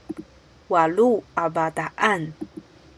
walu a bataan